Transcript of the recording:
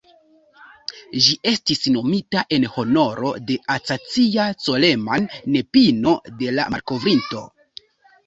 Ĝi estis nomita en honoro de "Acacia Coleman", nepino de la malkovrinto.